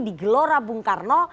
di gelora bung karno